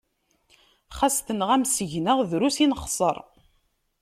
Xas tenɣam seg-neɣ, drus i nexseṛ.